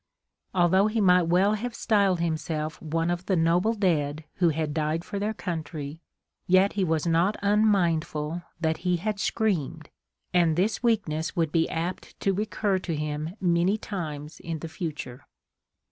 Although he might well have styled himself one of the noble dead who had died for their country, yet he was not unmindful that he had screamed, and this weakness would be apt to recur to him many times in the future.